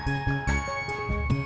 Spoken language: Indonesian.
gak usah banyak ngomong